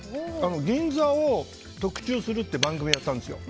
銀座を特集するっていう番組をやったんですよ。